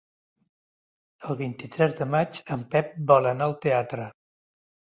El vint-i-tres de maig en Pep vol anar al teatre.